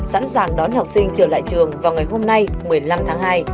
sẵn sàng đón học sinh trở lại trường vào ngày hôm nay một mươi năm tháng hai